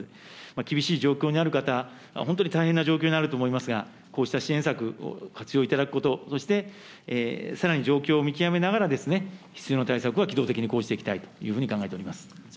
厳しい状況にある方、本当に大変な状況にあると思いますが、こうした支援策を活用いただくこと、そしてさらに状況を見極めながら、必要な対策は機動的に講じていきたいというふうに考えております。